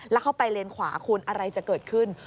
แล้วเข้าไปเลนขวาคุณอะไรจะเกิดขึ้น